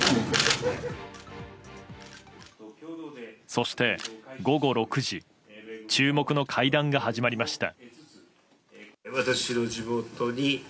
そして、午後６時注目の会談が始まりました。